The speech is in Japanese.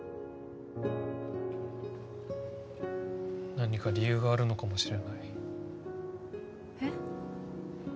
何か理由があるのかもしれないえっ？